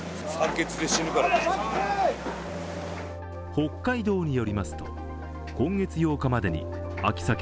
北海道によりますと今月８日までに秋さけ